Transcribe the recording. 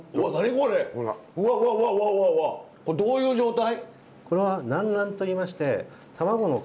これどういう状態？